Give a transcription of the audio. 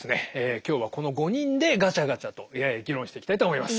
今日はこの５人でガチャガチャと議論していきたいと思います。